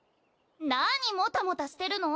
何もたもたしてるの？